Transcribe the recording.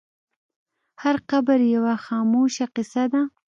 هر قبر یوه خاموشه کیسه ده.